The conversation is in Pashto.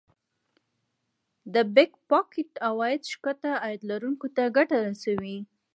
د Back pocket عواید ښکته عاید لرونکو ته ګټه رسوي